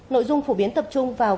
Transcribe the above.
nội dung phổ biến tập trung vào